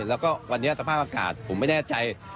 แล้วก็วันนี้สภาพอากาศผมไม่แน่ใจ